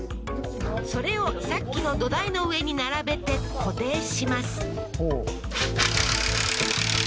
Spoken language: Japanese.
それをさっきの土台の上に並べて固定します